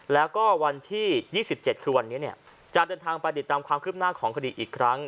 แล้วก็วันที่ยี่สิบเจ็ดคือวันนี้เนี่ยจะเดินทางไปติดตามความคลิบหน้าของคดีอีกครั้ง